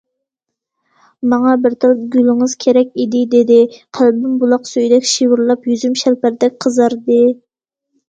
‹‹ ماڭا بىر تال گۈلىڭىز كېرەك ئىدى›› دېدى قەلبىم بۇلاق سۈيىدەك شىۋىرلاپ، يۈزۈم شەلپەردەك قىزاردى.